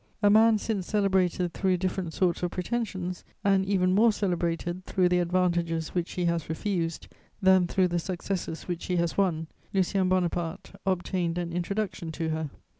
A man since celebrated through different sorts of pretensions, and even more celebrated through the advantages which he has refused than through the successes which he has won, Lucien Bonaparte, obtained an introduction to her.